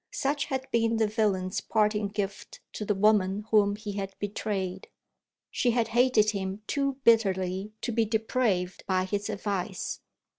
Such had been the villain's parting gift to the woman whom he had betrayed. She had hated him too bitterly to be depraved by his advice.